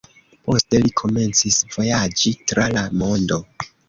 Poste li komencis vojaĝi tra la mondo.